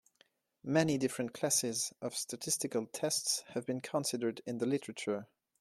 Many different classes of statistical tests have been considered in the literature.